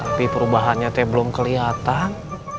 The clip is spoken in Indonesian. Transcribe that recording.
tapi perubahannya belum kelihatan